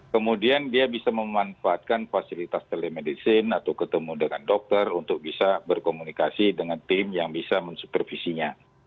kemudian dia bisa memanfaatkan fasilitas telemedicine atau ketemu dengan dokter untuk bisa berkomunikasi dengan tim yang bisa mensupervisinya